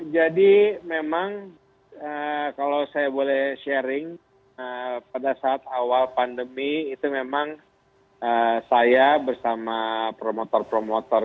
jadi memang kalau saya boleh sharing pada saat awal pandemi itu memang saya bersama promotor promotor